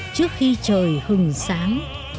trước khi trời hừng sáng